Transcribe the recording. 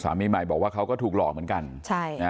ใหม่บอกว่าเขาก็ถูกหลอกเหมือนกัน